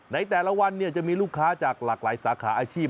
ในแต่ละวันจะมีลูกค้าจากหลากหลายสาขาอาชีพ